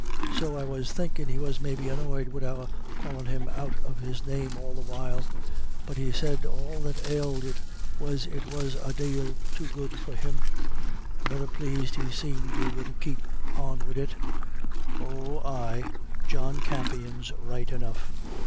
So I was thinkin' he was maybe annoyed wid our callin' him out of his name all the while; but he said all that ailed it was it was a dale too good for him; and better plased he seemed we would keep on wid it. Oh ay, 'John Campion's' right enough."